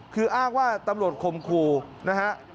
คืออ้างว่าตำรวจคมครูนะฮะ